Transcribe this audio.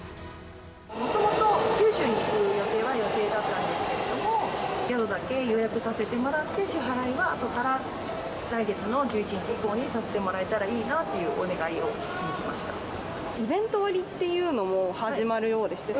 もともと九州に行く予定は予定だったんですけれども、宿だけ予約させてもらって、支払いはあとから、来月の１１日以降にさせてもらえたらいいなというお願いをしてきました。